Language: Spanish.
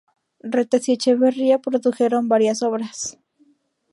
Retes y Echevarría produjeron varias obras.